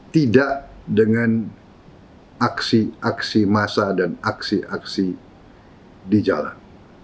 tidak dengan aksi aksi massa dan aksi aksi di jalan